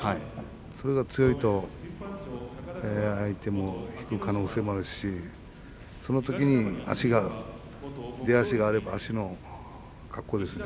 それが強いと相手も引く可能性もあるしそのときに出足があれば足の格好ですね